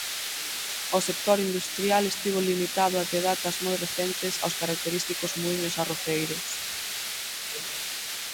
O sector industrial estivo limitado até datas moi recentes aos característicos muíños arroceiros.